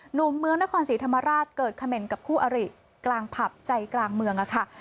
หนุ่มเมืองนครศรีธรรมราชเกิดเขม่นกับคู่อริกลางผับใจกลางเมืองค่ะ